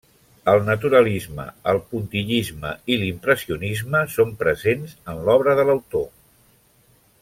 El naturalisme, el puntillisme i l'impressionisme són presents en l'obra de l’autor.